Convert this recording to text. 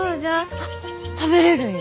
あっ食べれるんよ。